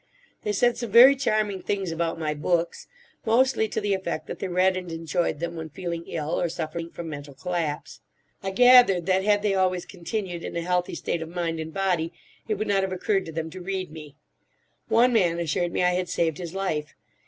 They said some very charming things about my books—mostly to the effect that they read and enjoyed them when feeling ill or suffering from mental collapse. I gathered that had they always continued in a healthy state of mind and body it would not have occurred to them to read me. One man assured me I had saved his life.